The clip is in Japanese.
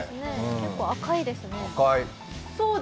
結構赤いですね。